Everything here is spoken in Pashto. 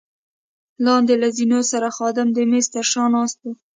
لاندې له زینو سره خادم د مېز تر شا ناست وو.